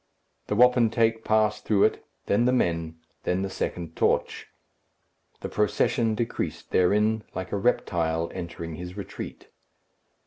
The wapentake passed through it, then the men, then the second torch. The procession decreased therein, like a reptile entering his retreat.